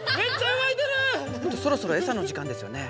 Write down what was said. そろそろエサの時間ですよね。